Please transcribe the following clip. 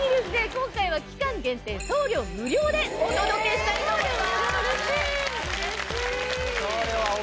今回は期間限定送料無料でお届けしたいと思います！